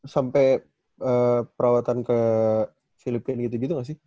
sampai perawatan ke filipina gitu gitu gak sih